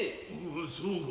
そうか。